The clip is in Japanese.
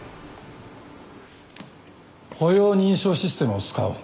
歩容認証システムを使おう。